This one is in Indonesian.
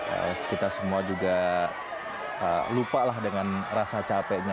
ya kita semua juga lupa lah dengan rasa capeknya